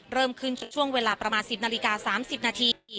เริ่มขึ้นช่วงเวลาประมาณ๑๐นาฬิกา๓๐นาที